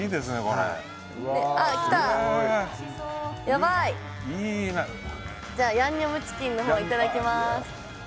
ヤンニョムチキンのほういただきます。